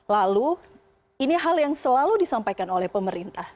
lalu ini hal yang selalu disampaikan oleh pemerintah